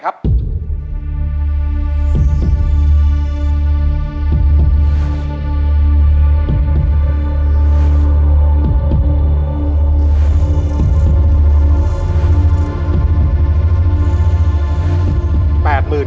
อยากเรียน